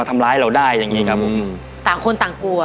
ต่างคนต่างกลัว